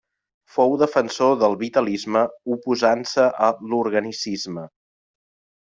Fou defensor del vitalisme oposant-se a l'organicisme.